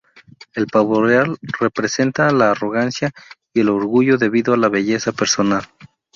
El pavo real representa la arrogancia y el orgullo debido a la belleza personal.